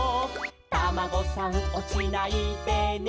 「タマゴさんおちないでね」